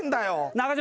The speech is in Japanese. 中島